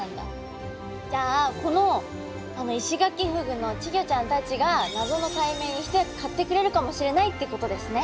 じゃあこのイシガキフグの稚魚ちゃんたちが謎の解明に一役かってくれるかもしれないってことですね。